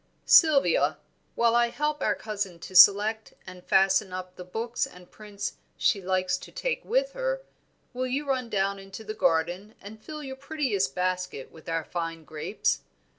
"Sylvia, while I help our cousin to select and fasten up the books and prints she likes to take with her, will you run down into the garden and fill your prettiest basket with our finest grapes?